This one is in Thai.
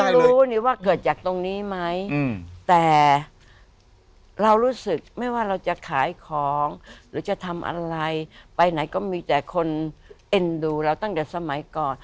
รู้นี่ว่าเกิดจากตรงนี้ไหมแต่เรารู้สึกไม่ว่าเราจะขายของหรือจะทำอะไรไปไหนก็มีแต่คนเอ็นดูเราตั้งแต่สมัยก่อน